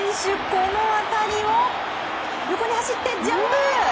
この当たりを横に走ってジャンプ。